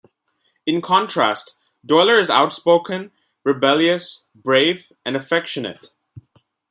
In contrast, Doyler is outspoken, rebellious, brave, and affectionate.